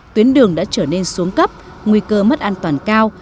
tuyến đường đã trở nên xuống cấp nguy cơ mất an toàn cao